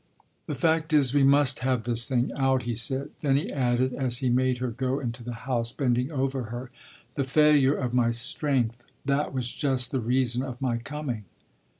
"The fact is we must have this thing out," he said. Then he added as he made her go into the house, bending over her, "The failure of my strength that was just the reason of my coming."